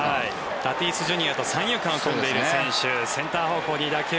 タティスＪｒ．と三遊間を組んでいるセンター方向に打球。